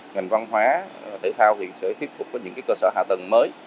ngành văn hóa thể thao thì sẽ tiếp tục có những cơ sở hạ tầng mới